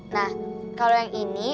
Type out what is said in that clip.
nah kalau yang ini